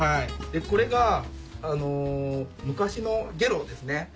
でこれが昔の下呂ですね。